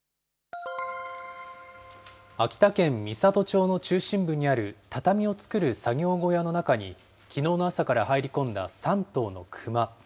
秋田県美郷町の中心部にある畳を作る作業小屋の中に、きのうの朝から入り込んだ３頭のクマ。